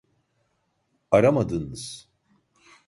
Aramadınız